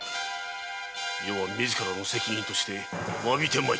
余は自らの責任として詫びてまいった。